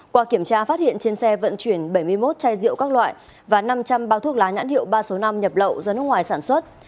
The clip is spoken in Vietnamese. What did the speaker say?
qua kiểm tra phát hiện trên xe vận chuyển bảy mươi một chai rượu các loại và năm trăm linh bao thuốc lá nhãn hiệu ba số năm nhập lậu do nước ngoài sản xuất